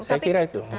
saya kira itu